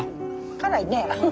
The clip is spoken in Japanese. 辛いね。